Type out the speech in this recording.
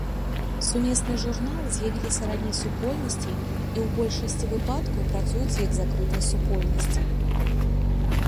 Сумесныя журналы з'явіліся раней супольнасцей і ў большасці выпадкаў працуюць як закрытыя супольнасці.